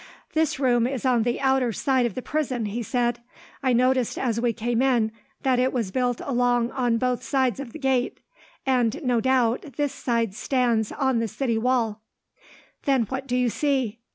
"This room is on the outer side of the prison," he said. "I noticed, as we came in, that it was built along on both sides of the gate; and, no doubt, this side stands on the city wall." "Then what do you see?"